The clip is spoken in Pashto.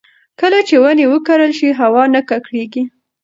کله چې ونې وکرل شي، هوا نه ککړېږي.